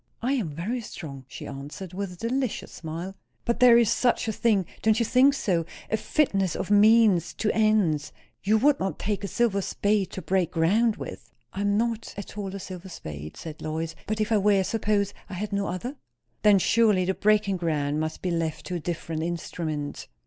"I am very strong!" she answered, with a delicious smile. "But there is such a thing don't you think so? as fitness of means to ends. You would not take a silver spade to break ground with?" "I am not at all a silver spade," said Lois. "But if I were; suppose I had no other?" "Then surely the breaking ground must be left to a different instrument."